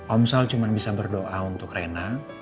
om sal cuma bisa berdoa untuk rena